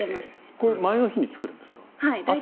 これは前の日に作るんですか？